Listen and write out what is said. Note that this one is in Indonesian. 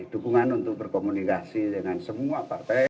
dukungan untuk berkomunikasi dengan semua partai